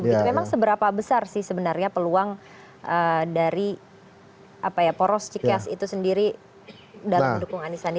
memang seberapa besar sih sebenarnya peluang dari poros cikas itu sendiri dalam mendukung anies dan andi